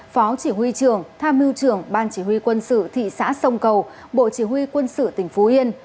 phó chỉ huy trưởng tham mưu trưởng ban chỉ huy quân sự thị xã sông cầu bộ chỉ huy quân sự tỉnh phú yên